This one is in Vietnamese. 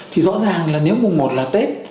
thì rõ ràng là nếu mùng một là tết